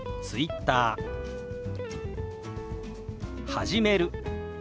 「始める」。